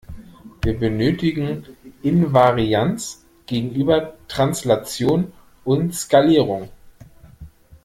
Wir benötigen Invarianz gegenüber Translation und Skalierung.